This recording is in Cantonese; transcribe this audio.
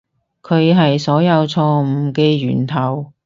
佢係所有錯誤嘅源頭